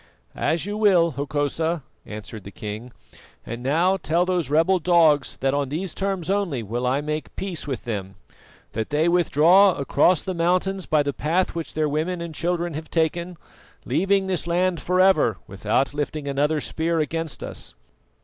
"As you will, Hokosa," answered the king. "And now tell those rebel dogs that on these terms only will I make peace with them that they withdraw across the mountains by the path which their women and children have taken, leaving this land for ever without lifting another spear against us.